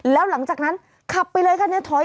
แล้วหลังจากนั้นขับไปเลยค่ะเนี่ยถอย